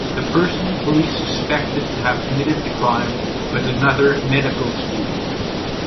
The person police suspected to have had committed the crime was another medical student.